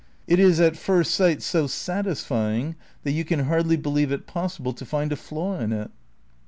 It is at first sight so satisfying that you can hardly believe it possible to find a flaw in it.